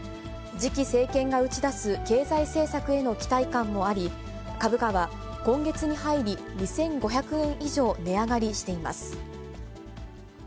次期政権が打ち出す経済政策への期待感もあり、株価は今月に入り２５００円以上値上がりしています。